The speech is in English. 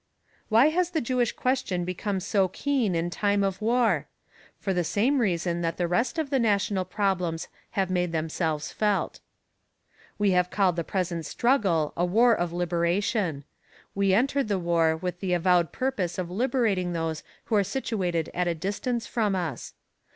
Why has the Jewish question become so keen in time of war? For the same reason that the rest of the national problems have made themselves felt. We have called the present struggle a war of liberation. We entered the war with the avowed purpose of liberating those who are situated at a distance from us.